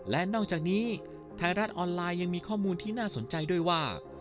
และนอกจากนี้ไทยรัฐออนไลน์ยังมีข้อมูลที่น่าสนใจด้วยว่า